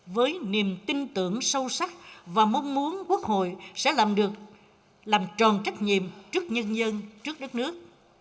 với niềm tin tưởng sâu sắc và mong muốn quốc hội sẽ làm được làm tròn trách nhiệm trước nhân dân trước đất nước